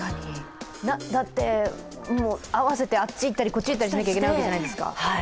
だって、合わせてあっち行ったりこっち行ったりしなきゃいけないわけじゃないですか。